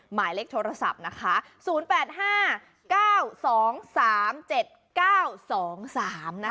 หมายเลขโทรศัพท์นะคะ๐๘๕๙๒๓๗๙๒๓นะคะ